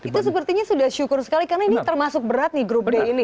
itu sepertinya sudah syukur sekali karena ini termasuk berat nih grup d ini